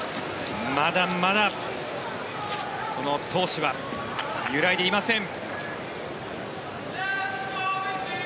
まだまだその闘志は揺らいでいません。